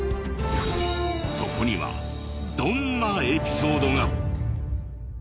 そこにはどんなエピソードが？